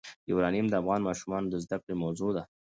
یورانیم د افغان ماشومانو د زده کړې موضوع ده.